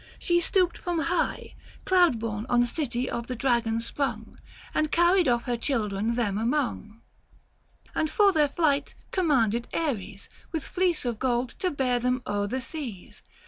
She stooped from high Cloudborne on city of the dragon sprung, And carried off her children them among. 925 h 2 ; 100 THE FASTI. Book III. And for their flight commanded Aries With fleece of gold to bear them o'er the seas.